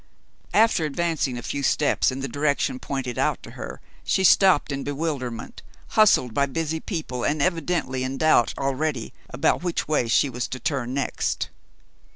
After advancing a few steps in the direction pointed out to her, she stopped in bewilderment, hustled by busy people, and evidently in doubt already about which way she was to turn next.